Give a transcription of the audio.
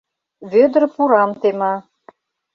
Вӧдыр пурам тема.